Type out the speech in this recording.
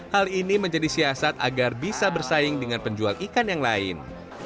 hal ini menjadi siasat agar bisa bersaing dengan penjual ikan yang lain